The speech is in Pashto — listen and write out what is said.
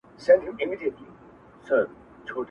o واى توتکۍ بې ازاره ده، واى د چمن د چينجيانو څخه پوښتنه وکه٫